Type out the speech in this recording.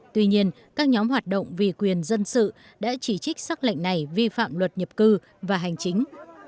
tuy nhiên các nhóm hoạt động vì quyền dân sự đã chỉ trích xác lệnh này vi phạm luật nhập cư và hành chính